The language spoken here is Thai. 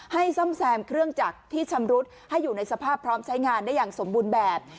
ซ่อมแซมเครื่องจักรที่ชำรุดให้อยู่ในสภาพพร้อมใช้งานได้อย่างสมบูรณ์แบบ